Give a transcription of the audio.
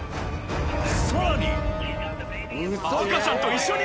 さらに！